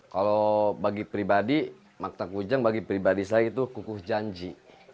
kalau bagi pribadi makta kujang bagi pribadi saya itu kukuh janji